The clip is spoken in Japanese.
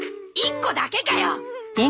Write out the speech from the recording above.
１個だけかよ！